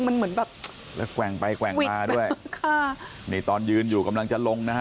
มันเหมือนแบบแล้วแกว่งไปแกว่งมาด้วยค่ะนี่ตอนยืนอยู่กำลังจะลงนะฮะ